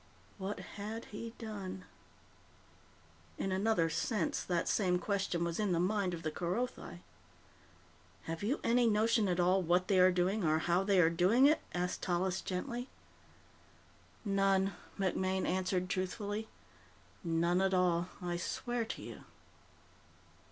What had he done? In another sense, that same question was in the mind of the Kerothi. "Have you any notion at all what they are doing or how they are doing it?" asked Tallis gently. "None," MacMaine answered truthfully. "None at all, I swear to you."